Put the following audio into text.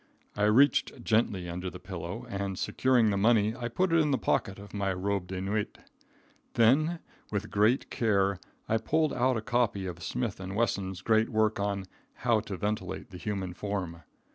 I reached gently under the pillow, and securing the money I put it in the pocket of my robe de nuit. Then, with great care, I pulled out a copy of Smith & Wesson's great work on "How to Ventilate the Human Form."